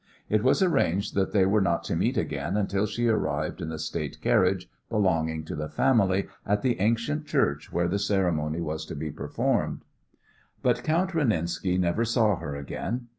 It was arranged that they were not to meet again until she arrived in the state carriage belonging to the family at the ancient church where the ceremony was to be performed. But Count Renenski never saw her again.